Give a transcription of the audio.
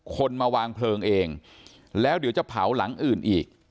คนมาวางเพลิงเองแล้วเดี๋ยวจะเผาหลังอื่นอีก